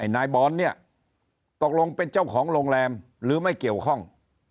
นายบอลเนี่ยตกลงเป็นเจ้าของโรงแรมหรือไม่เกี่ยวข้อง